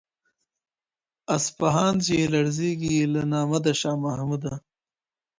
اصفهان چي یې لړزیږي له نامه د شاه محموده